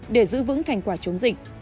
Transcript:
để giữ vững thành quả chống dịch